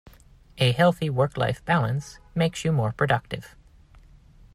A healthy work life balance makes you more productive.